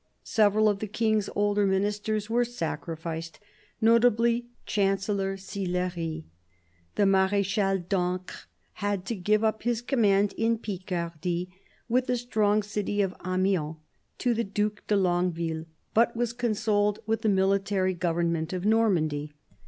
Several of the King's older Ministers were sacrificed, notably Chancellor Sillery. The Marechal d'Ancre had to give up his command in Picardy, with the strong city of Amiens, to the Due de Longueville, but was consoled with the military government of Normandy.